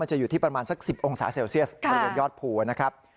จะอยู่ที่ประมาณสัก๑๐องศาเซลเซียสบริเวณยอดภูนะครับ